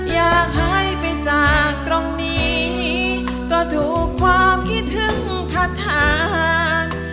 อยากหายไปจากตรงนี้ก็ถูกความคิดถึงคาถา